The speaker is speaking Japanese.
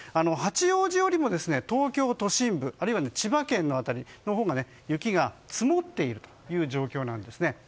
八王子よりも東京都心部あるいは千葉県の辺りのほうが雪が積もっている状況なんです。